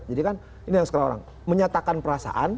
jadi kan ini yang suka orang menyatakan perasaan